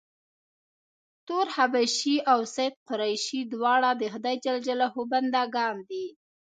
تور حبشي او سید قریشي دواړه د خدای ج بنده ګان دي.